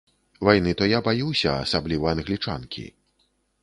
Вайны то я баюся, асабліва англічанкі.